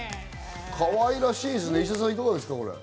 かわいらしいですね、石田さん。